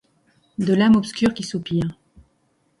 De l'âme obscure qui soupire